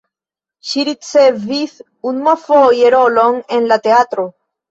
Ŝi ricevis unuafoje rolon en la teatro.